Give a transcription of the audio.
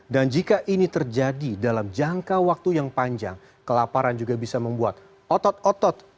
dan jika ini terjadi dalam jangka waktu yang panjang kelaparan juga bisa membuat otot otot